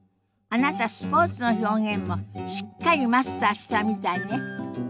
あなたスポーツの表現もしっかりマスターしたみたいね。